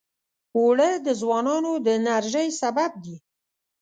اوړه د ځوانانو د انرژۍ سبب دي